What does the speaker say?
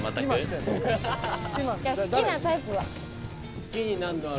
好きになるのは。